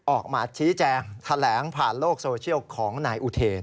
ออกมาชี้แจงแถลงผ่านโลกโซเชียลของนายอุเทน